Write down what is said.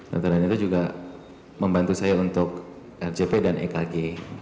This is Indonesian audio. dokter adianto juga membantu saya untuk rcp dan ekg